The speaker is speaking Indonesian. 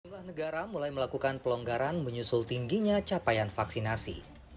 sejumlah negara mulai melakukan pelonggaran menyusul tingginya capaian vaksinasi